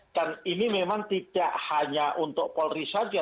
dan ini memang tidak hanya untuk polri saja